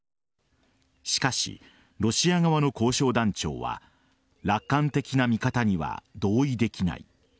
しかし、ロシア側の交渉団長は楽観的な見方には同意できない。